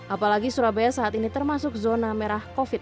apalagi surabaya saat ini termasuk zona merah covid sembilan belas